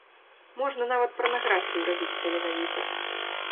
Можна нават парнаграфію рабіць таленавіта.